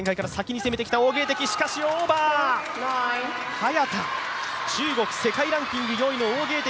早田、中国世界ランキング４位の王ゲイ迪